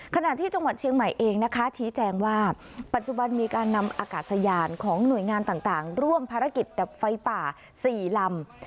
ขณะที่จังหวัดเชียงใหม่เองนะคะชี้แจงว่าปัจจุบันมีการนำอากาศยานของหน่วยงานต่างร่วมภารกิจดับไฟป่า๔ลำ